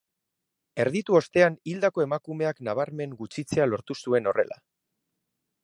Erditu ostean hildako emakumeak nabarmen gutxitzea lortu zuen horrela.